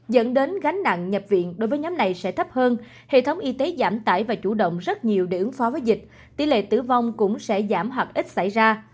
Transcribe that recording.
dẫn đến gánh nặng nhập viện đối với nhóm này sẽ thấp hơn hệ thống y tế giảm tải và chủ động rất nhiều để ứng phó với dịch tỷ lệ tử vong cũng sẽ giảm hoặc ít xảy ra